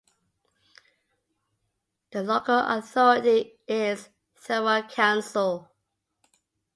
The local authority is Thurrock Council.